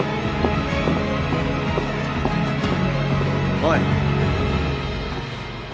おい。